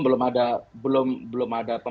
belum ada pembahasan secara khusus